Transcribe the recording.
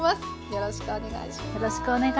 よろしくお願いします。